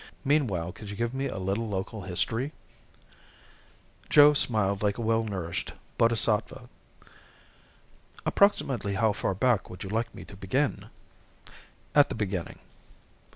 Meanwhile, could you give me a little local history?" Joe smiled like a well nourished bodhisattva. "Approximately how far back would you like me to begin?" "At the beginning."